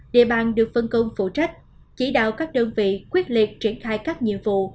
địa bàn được phân công phụ trách chỉ đạo các đơn vị quyết liệt triển khai các nhiệm vụ